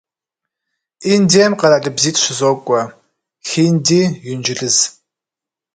Индием къэралыбзитӀ щызокӀуэ: хинди, инджылыз.